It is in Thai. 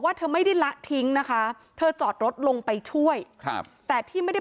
เธอไม่ได้ละทิ้งนะคะเธอจอดรถลงไปช่วยครับแต่ที่ไม่ได้